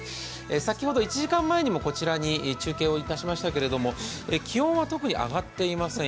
先ほど１時間前にもこちらに中継をいたしましたけれども、気温は特に上っていません。